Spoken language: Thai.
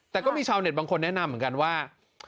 แต่ก็มีชาวเน็ตบางคนแนะนำเหมือนกันว่า